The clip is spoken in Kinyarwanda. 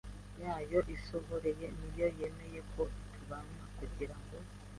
yayo isohore niyo yemeye ko tubana kugirango